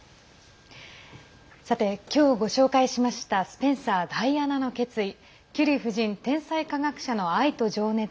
さて、今日ご紹介しました「スペンサーダイアナの決意」「キュリー夫人天才科学者の愛と情熱」。